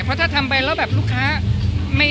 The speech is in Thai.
เพราะถ้าทำไปแล้วแบบลูกค้า